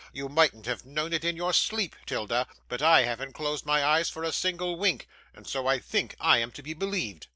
You mightn't have known it in your sleep, 'Tilda, but I haven't closed my eyes for a single wink, and so I THINK I am to be believed.